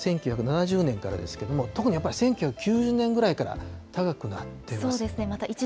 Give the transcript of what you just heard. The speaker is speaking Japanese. １９７０年からですけれども、特にやっぱり１９９０年ぐらいから高くなってます。